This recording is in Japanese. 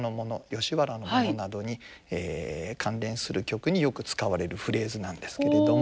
吉原のものなどに関連する曲によく使われるフレーズなんですけれども。